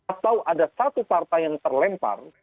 atau ada satu partai yang terlempar